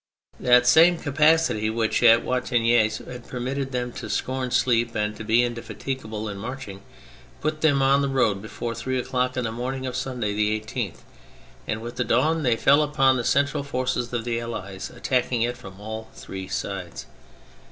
That same capacity which at Wattignies had permitted them to scorn sleep and to be indefatigable in marching, put them on the road before three o'clock in the morning of Sunday, the 18th, and with the dawn they fell upon the central force of the Allies, attacking it from all three sides.